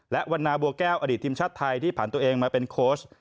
และวันนาบัวแก้วอดีตทีมชาติไทยที่ผ่านตัวเองมาเป็นโค้ช